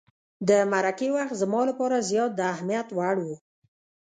د مرکې وخت زما لپاره زیات د اهمیت وړ وو.